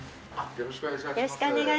よろしくお願いします。